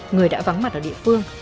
người đã vắng mặt ở địa phương